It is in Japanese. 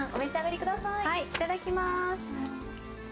いただきます。